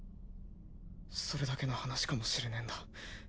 それだけの話かもしれねえんだ。